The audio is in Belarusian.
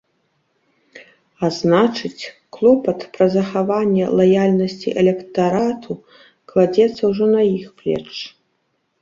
А значыць, клопат пра захаванне лаяльнасці электарату кладзецца ўжо на іх плечы.